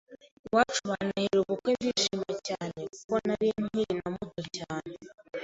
iwacu bantahira ubukwe ndishima cyane ko nari nkiri na muto cyane